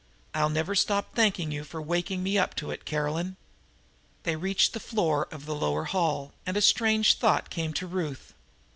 I'll never stop thanking you for waking me up to it, Caroline." They reached the floor of the lower hall, and a strange thought came to Ruth.